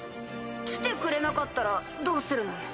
来てくれなかったらどうするの？